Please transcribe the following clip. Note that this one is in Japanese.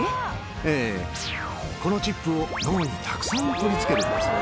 ええ、このチップを脳にたくさん取り付けるんです。